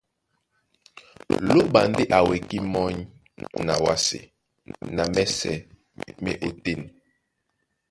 Lóɓa ndé a wekí mɔ́ny na wásē na mɛ́sɛ̄ má e ótên.